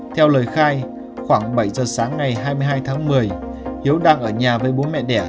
theo lời khai khoảng bảy giờ sáng ngày hai mươi hai tháng một mươi hiếu đang ở nhà với bố mẹ đẻ